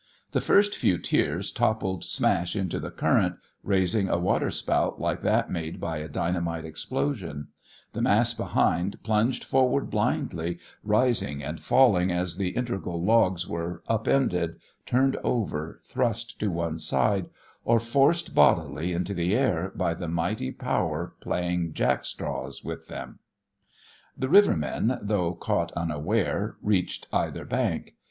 The first few tiers toppled smash into the current, raising a waterspout like that made by a dynamite explosion; the mass behind plunged forward blindly, rising and falling as the integral logs were up ended, turned over, thrust to one side, or forced bodily into the air by the mighty power playing jack straws with them. The rivermen, though caught unaware, reached either bank.